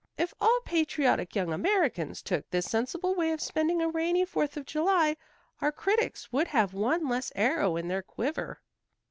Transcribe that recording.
If all patriotic young Americans took this sensible way of spending a rainy Fourth of July, our critics would have one less arrow in their quiver."